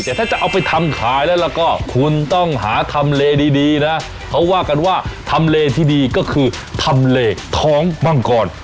แต่ถ้าจะเอาไปทำขายแล้วก็คุณต้องหาทำเลดีนะเขาว่ากันว่าทำเลที่ดีก็คือทำเลท้องมังกร